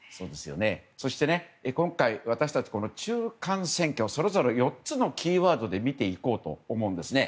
そして、今回私たちは中間選挙をそれぞれ４つのキーワードで見ていこうと思うんですね。